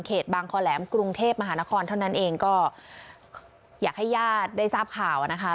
บางคอแหลมกรุงเทพมหานครเท่านั้นเองก็อยากให้ญาติได้ทราบข่าวนะคะ